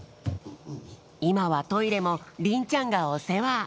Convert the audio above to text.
いまはトイレもりんちゃんがおせわ。